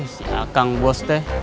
siakang bos teh